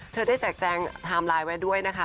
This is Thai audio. เธอได้แจกแจงไทม์ไลน์ไว้ด้วยนะคะ